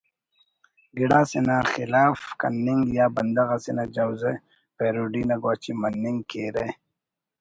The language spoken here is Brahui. گڑا سے نا خلاف کننگ یا بندغ اسے نا جوزہ پیروڈی نا گواچی مننگ کیرہ